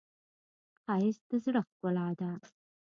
ښایست د زړه ښکلا ده